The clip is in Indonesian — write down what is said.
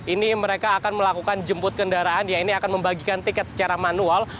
ini mereka akan melakukan jemput kendaraan ya ini akan membagikan tiket secara manual